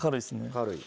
軽い。